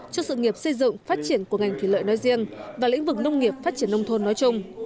cho sự nghiệp xây dựng phát triển của ngành thủy lợi nói riêng và lĩnh vực nông nghiệp phát triển nông thôn nói chung